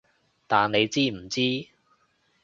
但你知唔知？